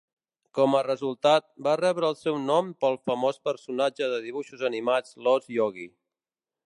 Com a resultat, va rebre el seu nom pel famós personatge de dibuixos animats l'ós Yogi.